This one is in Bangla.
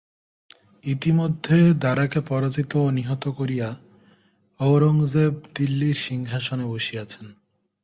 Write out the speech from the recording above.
ইতিমধ্যে দারাকে পরাজিত ও নিহত করিয়া ঔরংজেব দিল্লির সিংহাসনে বসিয়াছেন।